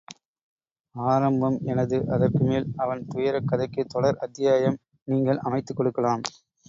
ஆரம்பம் எனது அதற்கு மேல் அவன் துயரக் கதைக்குத்தொடர் அத்தியாயம் நீங்கள் அமைத்துக் கொடுக்கலாம்.